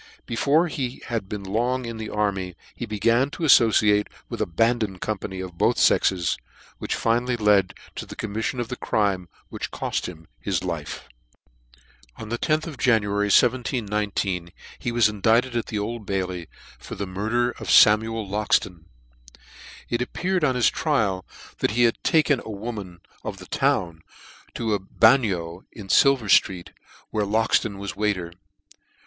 Before he had been long in the army he began to aflbciate with abandoned company of both fexes, which finally led to the commifiion of the crime which coft him his life. On the loth of January, 1719, he was indift ed at the Old Bailey for the murder of Samuel Loxton. It appeared on his trial; that he had taken EDWARD BIRD /^ Murder. 253 taken a woman of the town to a bagnio in Silver ftreet, where Loxton was a waiter.